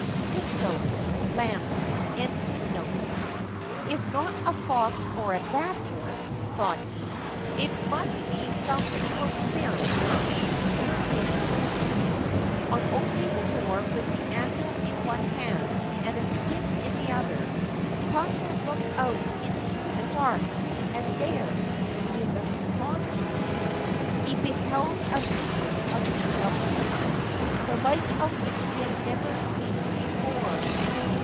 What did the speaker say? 1 c If not a fox or a badger,' 1 Lamp. 5 Ancient Tales and Folklore of Japan thought he, * it must be some evil spirit come to disturb me/ On opening the door, with the ando in one hand, and a stick in the other, Konojo looked out into the dark, and there, to his astonishment, he beheld a vision of female beauty the like of which he had never seen before.